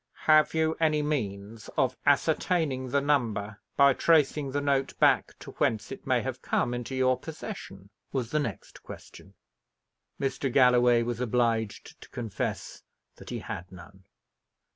"Have you any means of ascertaining the number, by tracing the note back to whence it may have come into your possession?" was the next question. Mr. Galloway was obliged to confess that he had none.